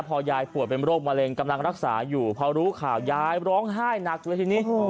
พอยายป่วยเป็นโรคมะเร็งกำลังรักษาอยู่พอรู้ข่าวยายร้องไห้หนักเลยทีนี้